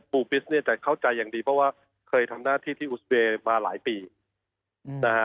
ปิสเนี่ยจะเข้าใจอย่างดีเพราะว่าเคยทำหน้าที่ที่อุสเบย์มาหลายปีนะฮะ